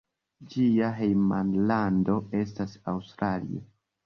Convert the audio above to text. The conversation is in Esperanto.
Ĝia hejmlando estas Aŭstralio.